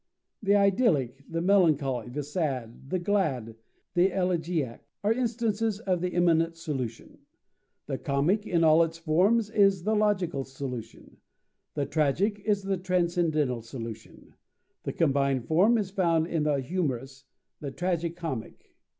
The idyllic, the melancholy, the sad, the glad, the elegiac, are instances of the immanent solution; the comic in all its forms is the logical solution; the tragic is the transcendental solution; the combined form is found in the humorous, the tragi comic.